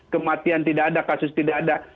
kematian tidak ada kasus tidak ada